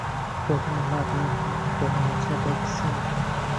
প্রথম আলো আপনি কি কোনো আশা দেখছেন?